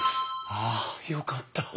あよかった。